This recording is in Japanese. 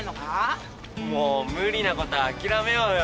もう無理なことはあきらめようよ。